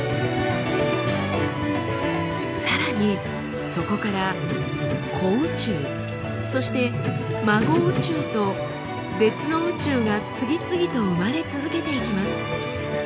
さらにそこから子宇宙そして孫宇宙と別の宇宙が次々と生まれ続けていきます。